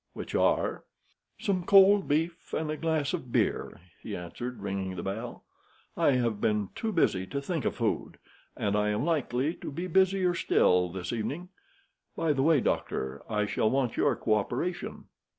"Which are?" "Some cold beef and a glass of beer," he answered, ringing the bell. "I have been too busy to think of food, and I am likely to be busier still this evening. By the way, doctor, I shall want your cooperation."